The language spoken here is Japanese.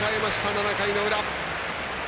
７回の裏。